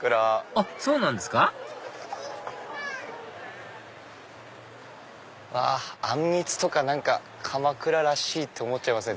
あっそうなんですかあん蜜とか鎌倉らしいって思っちゃいますね。